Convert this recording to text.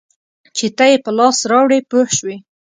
چې ته یې په لاس راوړې پوه شوې!.